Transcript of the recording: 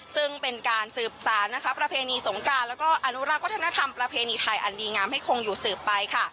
ซึ่งเป็นการสืบสารนะคะประเพณีสงการแล้วก็อนุรักษ์วัฒนธรรมประเพณีไทยอันดีงามให้คงอยู่สืบไปค่ะ